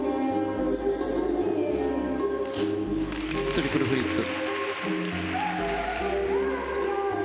トリプルフリップ。